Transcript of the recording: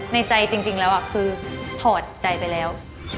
ในใจจริงแล้วคือถอดใจไปแล้ว